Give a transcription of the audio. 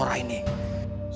hei diam kalian semua